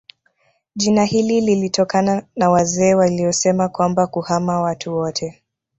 Jina hili lilitokana na wazee waliosema kwamba kuhama watu wote